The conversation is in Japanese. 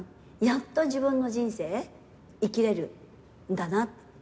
やっと自分の人生生きれるんだな。